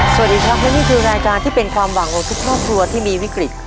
สวัสดีครับและนี่คือรายการที่เป็นความหวังของทุกครอบครัวที่มีวิกฤต